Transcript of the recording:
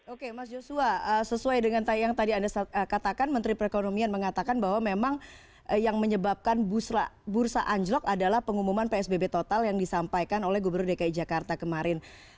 oke mas joshua sesuai dengan yang tadi anda katakan menteri perekonomian mengatakan bahwa memang yang menyebabkan bursa anjlok adalah pengumuman psbb total yang disampaikan oleh gubernur dki jakarta kemarin